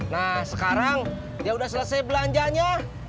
nah sekarang dia udah selesai belanjanya